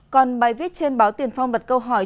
còn bài viết trên báo tiền phong đặt câu hỏi